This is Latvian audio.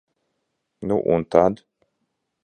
Nu un tad?